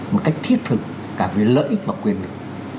một cách thiết thực cả về lợi ích và quyền lực